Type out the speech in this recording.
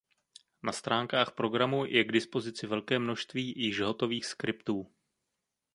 Na stránkách programu je k dispozici velké množství již hotových skriptů.